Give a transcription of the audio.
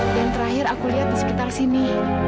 dan terakhir aku lihat di sekitar sini